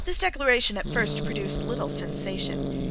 This Declaration at first produced little sensation.